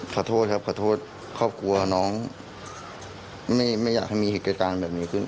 ขอโทษครับขอโทษครอบครัวน้องไม่อยากให้มีเหตุการณ์แบบนี้ขึ้น